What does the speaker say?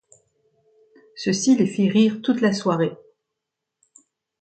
Ceci les fit rire toute la soirée.